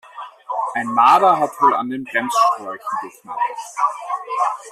Ein Marder hat wohl an den Bremsschläuchen geknabbert.